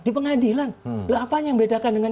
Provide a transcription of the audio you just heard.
di pengadilan apa yang bedakan dengan